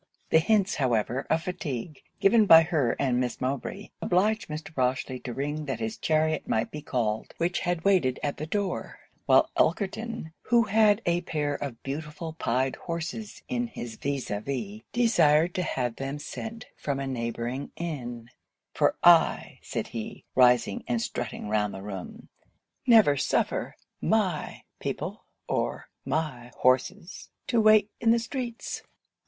The hints, however, of fatigue, given by her and Miss Mowbray, obliged Mr. Rochely to ring that his chariot might be called, which had waited at the door; while Elkerton, who had a pair of beautiful pied horses in his vis à vis, desired to have them sent for from a neighbouring inn 'for I' said he, rising and strutting round the room, 'never suffer my people or my horses to wait in the streets.'